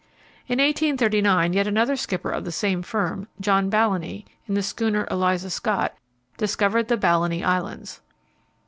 In 1839 yet another skipper of the same firm, John Balleny, in the schooner Eliza Scott, discovered the Balleny Islands.